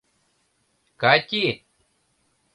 Кати!